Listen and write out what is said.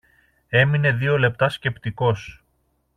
Έμεινε δυο λεπτά σκεπτικός.